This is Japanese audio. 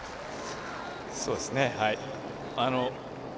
そうですね。